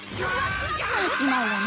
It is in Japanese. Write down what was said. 飽きないわね。